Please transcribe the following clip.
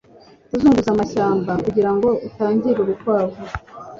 Kuzunguza amashyamba kugirango utangire urukwavu